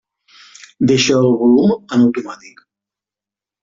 Deixa el volum en automàtic.